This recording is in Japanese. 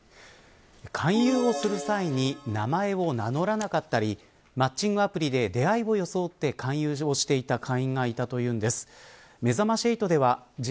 勧誘をする際に名前を名乗らなかったりマッチングアプリで出会いを装って勧誘をしていたか。